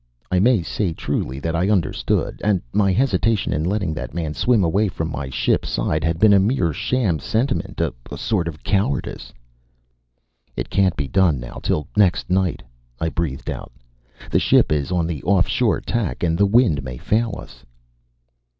I may say truly that I understood and my hesitation in letting that man swim away from my ship's side had been a mere sham sentiment, a sort of cowardice. "It can't be done now till next night," I breathed out. "The ship is on the off shore tack and the wind may fail us."